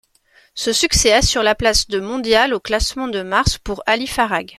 Ce succès assure la place de mondial au classement de mars pour Ali Farag.